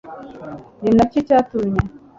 ni na cyo cyatumye